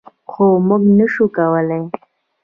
خو موږ نشو کولی.